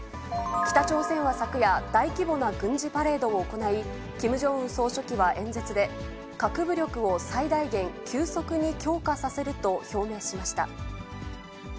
北朝鮮は昨夜、大規模な軍事パレードを行い、キム・ジョンウン総書記は演説で、核武力を最大限、急速に強化させると表明しました。